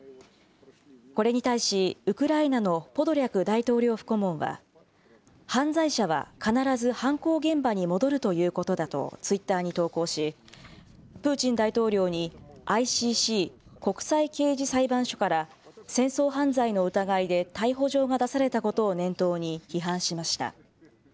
これに対し、ウクライナのポドリャク大統領府顧問は、犯罪者は必ず犯行現場に戻るということだとツイッターに投稿し、プーチン大統領にＩＣＣ・国際刑事裁判所から戦争犯罪の疑いで逮捕状が出されたことを念頭に、批判しました。